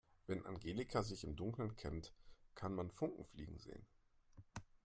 Wenn Angelika sich im Dunkeln kämmt, kann man Funken fliegen sehen.